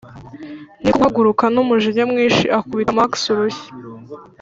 niko guhaguruka numujinya mwinshi akubita max urushyi,